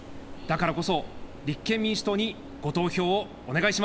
だからこそ立憲民主党にご投票をお願いします。